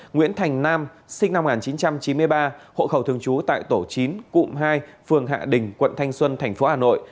nguyễn thành nam sinh năm một nghìn chín trăm chín mươi ba hộ khẩu thường trú tại tổ chín cụm hai phường hạ đình quận thanh xuân tp hà nội